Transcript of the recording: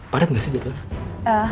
padat gak sih jadwal